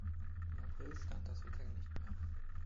Im April stand das Hotel nicht mehr.